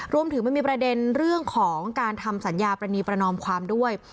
มันมีประเด็นเรื่องของการทำสัญญาปรณีประนอมความด้วย